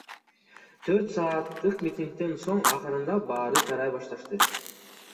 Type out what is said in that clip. Төрт саатык митингден соң акырындап баары тарай башташты.